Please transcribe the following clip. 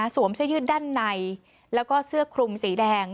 เสื้อยืดด้านในแล้วก็เสื้อคลุมสีแดง